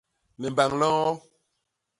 Limbañ li ño.